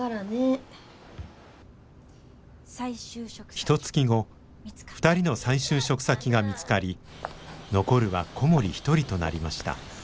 ひとつき後２人の再就職先が見つかり残るは小森一人となりました。